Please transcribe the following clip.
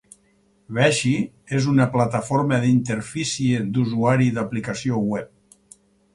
Vexi és una plataforma d'interfície d'usuari d'aplicació web.